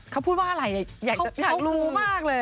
เขาพูดว่าอะไรอยากรู้มากเลย